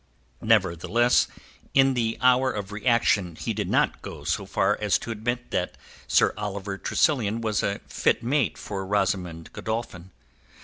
Nevertheless, in the hour of reaction he did not go so far as to admit that Sir Oliver Tressilian was a fit mate for Rosamund Godolphin.